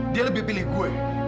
dia lebih pilih gue